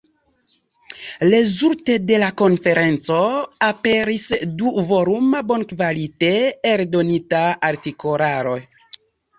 Rezulte de la konferenco aperis du-voluma bonkvalite eldonita artikolaro.